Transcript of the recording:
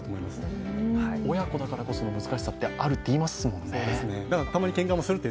親子だからこその難しさはあるっていいますもんね。